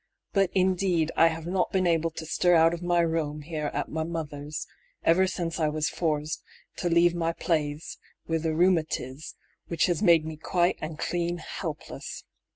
But indeed I have not been able to stir out of my rome here at my mother's ever since I was forsed to leave my plase with a roomatise, which has made me quite and clene helpless.